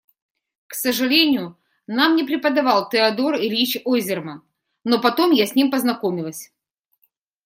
К сожалению, нам не преподавал Теодор Ильич Ойзерман, но потом я с ним познакомилась.